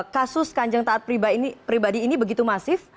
kasus kanjeng taat pribadi ini begitu masif